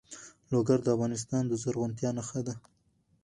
لوگر د افغانستان د زرغونتیا نښه ده.